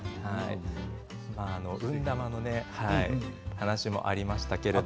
運玉の話もありましたけど。